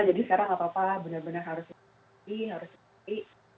jadi sekarang gak apa apa benar benar harus bersih harus bersih